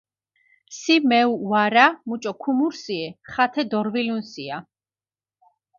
სი მეუ ვარა, მუჭო ქუმურსიე, ხათე დორჸვილუნსია.